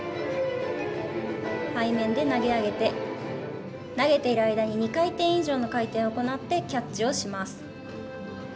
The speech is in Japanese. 背面で投げ上げて投げている間に２回転以上の回転を行ってキャッチをします。